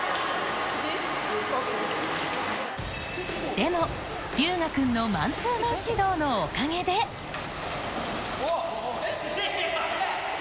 でも龍芽君のマンツーマン指導のおかげで・おっ！